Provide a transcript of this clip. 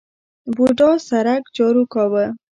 بوډا سرک جارو کاوه.